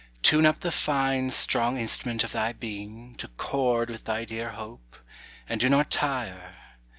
Tune up the fine, strong instrument of thy being To chord with thy dear hope, and do not tire.